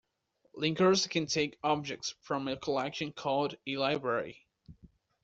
Linkers can take objects from a collection called a "library".